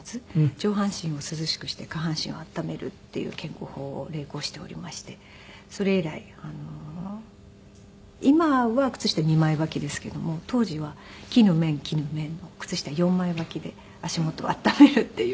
上半身を涼しくして下半身を温めるっていう健康法を励行しておりましてそれ以来今は靴下２枚ばきですけども当時は絹綿絹綿の靴下４枚ばきで足元を温めるっていう。